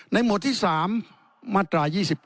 หมวดที่๓มาตรา๒๙